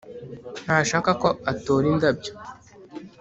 ntashaka ko atora indabyo